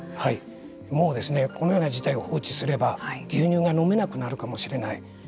もうこのような事態を放置すれば牛乳が飲めなくなるかもしれない。